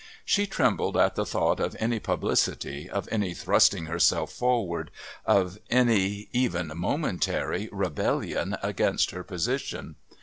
She trembled at the thought of any publicity, of any thrusting herself forward, of any, even momentary, rebellion against her position.